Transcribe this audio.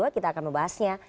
kita akan membahasnya